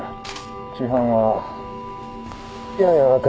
死斑はやや赤い。